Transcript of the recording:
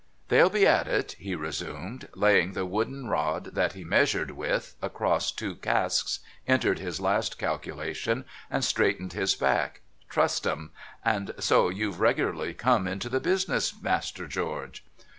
'They'll be at it,' he resumed, laying the wooden rod that he measured with across two casks, entering his last calculation, and straightening his back, ' trust 'em ! And so you've regularly come into the business. Master George?'